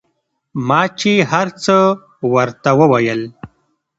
ما چې هرڅه ورته وويل.